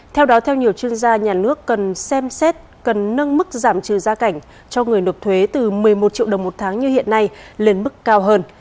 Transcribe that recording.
theo đó theo nhiều chuyên gia nhà nước cần xem xét cần nâng mức giảm trừ gia cảnh cho người nộp thuế từ một mươi một triệu đồng một tháng như hiện nay lên mức cao hơn